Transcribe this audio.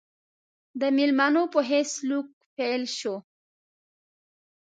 د مېلمنو په حیث سلوک پیل شو.